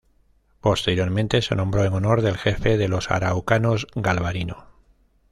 Posteriormente se nombró en honor del jefe de los araucanos Galvarino.